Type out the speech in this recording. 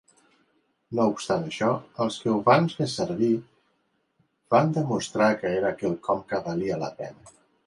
No obstant això, els que ho van fer servir van demostrar que era quelcom que valia la pena.